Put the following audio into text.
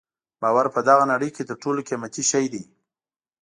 باور په دغه نړۍ کې تر ټولو قیمتي شی دی.